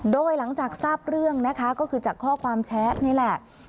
โดยหลังจากทราบเรื่องนะคะก็คือจากข้อความแชทนี่แหละ